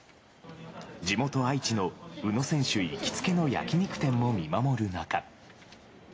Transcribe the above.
地元、愛知の宇野選手行きつけの焼き肉店も見守る中。